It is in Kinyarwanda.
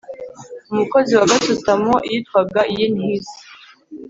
umukozi wa gasutamo witwaga yin his